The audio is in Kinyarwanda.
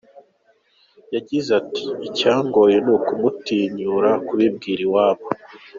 Yagize ati "Icyangoye ni ukumutinyura kubibwira iwabo.